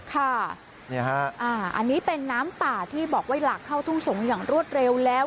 ค่ะอันนี้เป็นน้ำป่าที่บอกว่าหลากเข้าทุ่งสงฆ์อย่างรวดเร็วแล้ว